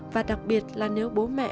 và đặc biệt là nếu bố mẹ